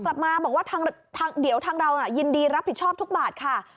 กลับมาบอกว่าเดี๋ยวทางเรายินดีรับผิดชอบทุกบาทค่ะ